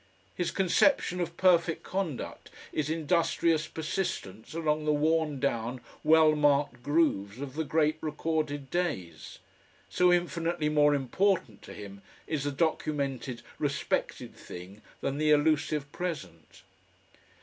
His conception of perfect conduct is industrious persistence along the worn down, well marked grooves of the great recorded days. So infinitely more important to him is the documented, respected thing than the elusive present.